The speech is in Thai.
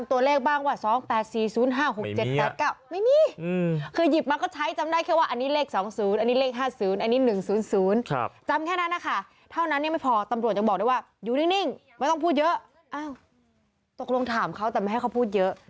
ตกลงถามเขาแต่ไม่ให้เขาพูดเยอะ